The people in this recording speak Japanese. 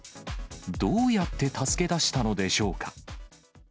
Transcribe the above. どうやって助け出したのでしょうか。